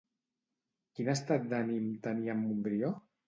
Quin estat d'ànim tenia en Montbrió?